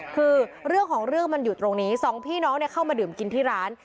คือเรื่องของเรื่องมันอยู่ตรงนี้สองพี่น้องเข้ามาดื่มกินที่ร้าน